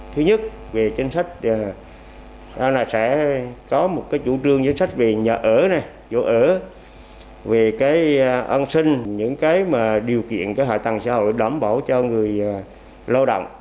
thứ nhất sẽ có một chủ trương về nhà ở về an sinh những điều kiện hội tăng xã hội đảm bảo cho người lao động